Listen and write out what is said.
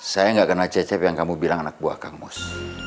saya gak kenal cecep yang kamu bilang anak buah kang mus